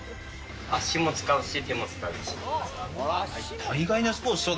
足も使うし、手も使うし。